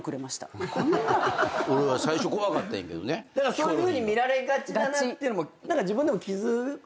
そういうふうに見られがちだって自分でも気付く？